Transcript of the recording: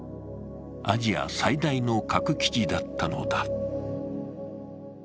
アジア最大の核基地だったのだ。